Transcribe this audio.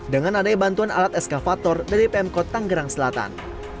dengan adai bantuan alat eskavator dari pmkot tanggerang selatan